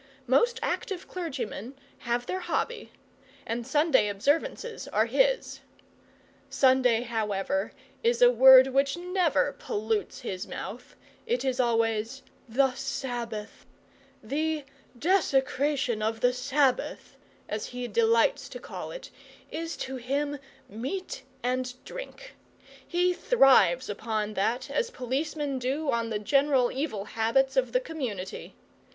Most active clergymen have their hobby, and Sunday observances are his. Sunday, however, is a word which never pollutes his mouth it is always 'the Sabbath'. The 'desecration of the Sabbath' as he delights to call it, is to him meat and drink: he thrives upon that as policemen do on the general evil habits of the community.